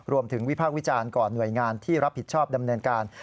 วิพากษ์วิจารณ์ก่อนหน่วยงานที่รับผิดชอบดำเนินการ